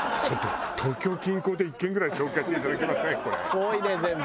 遠いね全部。